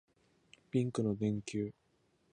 ピンクの電球をつけるとフラミンゴになる